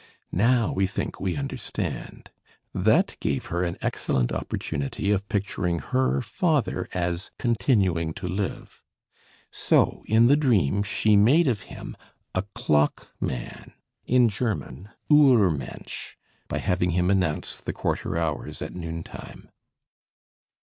Now we think we understand. That gave her an excellent opportunity of picturing her father as continuing to live. So in the dream she made of him a clockman (Uhrmensch) by having him announce the quarter hours at noon time.